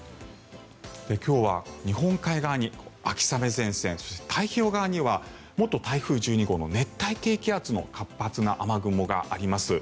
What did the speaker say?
今日は日本海側に秋雨前線そして太平洋側には元台風１２号の熱帯低気圧の活発な雨雲があります。